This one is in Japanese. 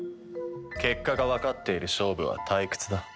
結果がわかっている勝負は退屈だ。